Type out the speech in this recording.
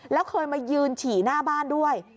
แล้วเคยมายืนฉี่หน้าบ้านด้วย